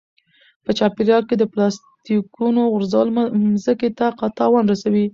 په چاپیریال کې د پلاستیکونو غورځول مځکې ته تاوان رسوي.